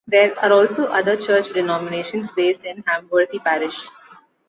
There are also other church denominations based in Hamworthy parish.